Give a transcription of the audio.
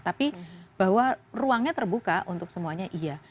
tapi bahwa ruangnya terbuka untuk semuanya iya